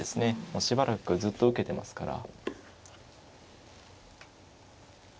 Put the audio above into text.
もうしばらくずっと受けてますから。